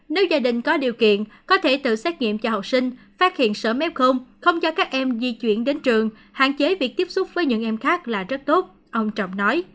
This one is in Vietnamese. nếu gia đình có điều kiện có thể tự xét nghiệm cho học sinh phát hiện sớm mép không cho các em di chuyển đến trường hạn chế việc tiếp xúc với những em khác là rất tốt ông trọng nói